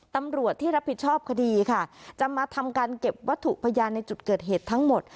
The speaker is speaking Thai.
ตำรวจที่รับผิดชอบคดีค่ะจะมาทำการเก็บวัตถุพยานในจุดเกิดเหตุทั้งหมด